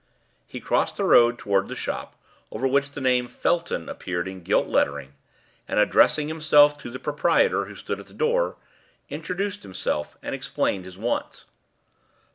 He crossed the road towards the shop, over which the name "Felton" appeared in gilt lettering, and, addressing himself to the proprietor, who stood at the door, introduced himself and explained his wants.